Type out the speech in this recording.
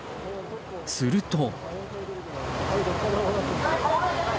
すると。